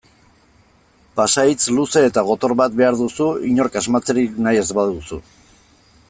Pasahitz luze eta gotor bat behar duzu inork asmatzerik nahi ez baduzu.